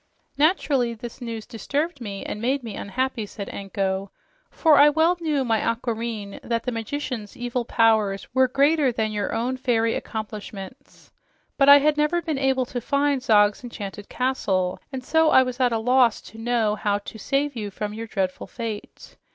"Naturally this news disturbed me and made me unhappy," said Anko, "for I well knew, my Aquareine, that the magician's evil powers were greater than your own fairy accomplishments. But I had never been able to find Zog's enchanted castle, and so I was at a loss to know how to save you from your dreadful fate.